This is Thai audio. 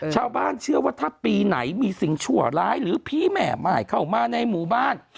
ชาวบ้านเชื่อว่าถ้าปีไหนมีสิ่งชั่วร้ายหรือผีแม่ใหม่เข้ามาในหมู่บ้าน